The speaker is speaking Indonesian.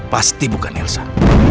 pasti bukan elsa